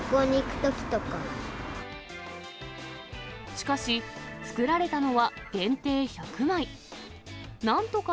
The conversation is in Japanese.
しかし、作られたのは限定１００枚。